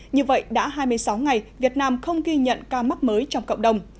như vậy đã hai mươi sáu ngày việt nam không ghi nhận ca mắc mới trong cộng đồng